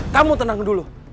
kamu tenang dulu